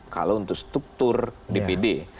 kalau untuk struktur dpd